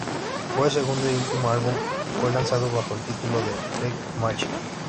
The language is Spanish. Su segundo y último álbum fue lanzado bajo el título de: "Freak Machine".